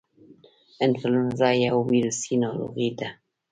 انفلونزا یو ویروسي ناروغي ده